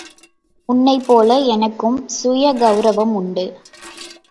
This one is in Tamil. உன்னைப் போல எனக்கும் சுயகவுரவம் உண்டு.